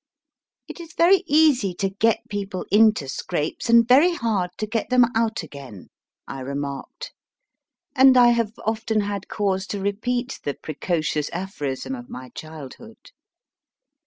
It is very easy to get people into scrapes, and very hard to get them out again/ I remarked, and I have often had cause to repeat the pre cocious aphorism of my childhood.